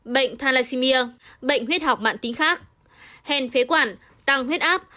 bệnh thalasimir bệnh huyết học mạng tính khác hèn phế quản tăng huyết áp